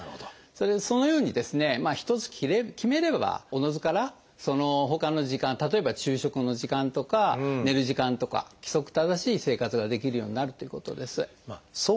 そのようにですね一つ決めればおのずからその他の時間例えば昼食の時間とか寝る時間とか規則正しい生活ができるようになるっていうことです。